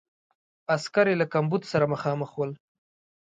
عسکر یې له کمبود سره مخامخ ول.